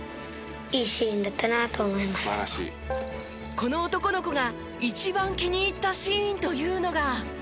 この男の子が一番気に入ったシーンというのが。